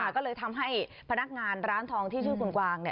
ก็เลยทำให้พนักงานร้านทองที่ชื่อคุณกวาง